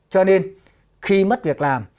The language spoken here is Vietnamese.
cho nên khi mất việc làm